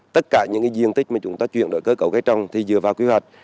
tất cả những diện tích mà chúng ta chuyển đổi cơ cấu gây trong thì dựa vào kế hoạch